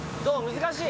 難しい？